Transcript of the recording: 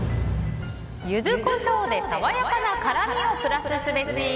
ユズコショウで爽やかな辛みをプラスすべし。